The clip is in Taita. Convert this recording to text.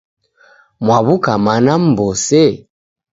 Mwaw'uka mana m'mbose?